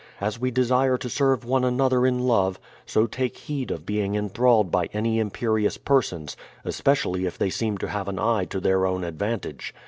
As we desire to serve one another in love, so take heed of being enthralled by any imperious persons, — especially if they seem to have an eye to their own advantage.